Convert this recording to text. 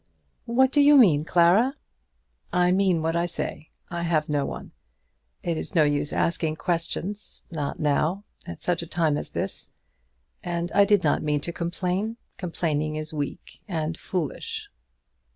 "What do you mean, Clara?" "I mean what I say. I have no one. It is no use asking questions, not now, at such a time as this. And I did not mean to complain. Complaining is weak and foolish.